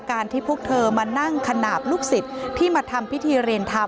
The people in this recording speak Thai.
ที่พวกเธอมานั่งขนาดลูกศิษย์ที่มาทำพิธีเรียนธรรม